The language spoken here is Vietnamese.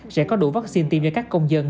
sẽ có đủ vaccine tiêm cho các công dân